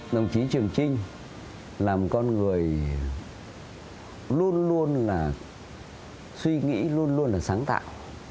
đồng chí trường trinh là một con người luôn luôn là suy nghĩ luôn luôn là sáng tạo